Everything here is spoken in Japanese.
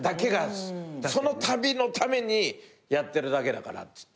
その旅のためにやってるだけだからっつって。